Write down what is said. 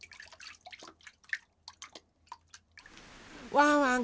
ワンワン